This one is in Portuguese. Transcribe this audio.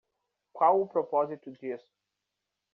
Qual o propósito disso?